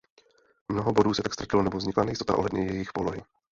Mnoho bodů se tak ztratilo nebo vznikla nejistota ohledně jejich polohy.